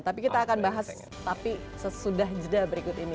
tapi kita akan bahas tapi sesudah jeda berikut ini